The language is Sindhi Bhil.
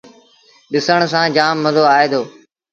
ڏسن سآݩ جآم مزو آئي دو۔